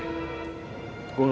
ini kita semua